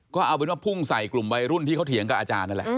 ก็เอาเป็นว่าพุ่งใส่กลุ่มวัยรุ่นที่เขาเถียงกับอาจารย์นั่นแหละ